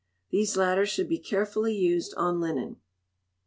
These latter should be carefully used on linen.